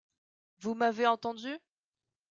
Vous m’avez entendue.